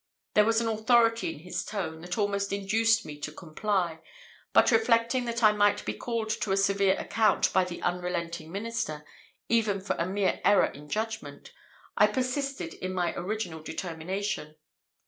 There was an authority in his tone that almost induced me to comply; but reflecting that I might be called to a severe account by the unrelenting minister, even for a mere error in judgment, I persisted in my original determination.